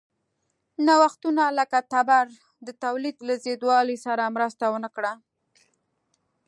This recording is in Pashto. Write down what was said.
نوښتونه لکه تبر د تولید له زیاتوالي سره مرسته ونه کړه.